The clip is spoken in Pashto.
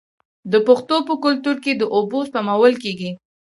د پښتنو په کلتور کې د اوبو سپمول کیږي.